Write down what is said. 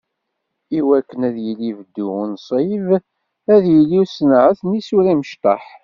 I wakken ad yili beddu unṣib, ad d-yili usenɛet n yisura imecṭaḥ.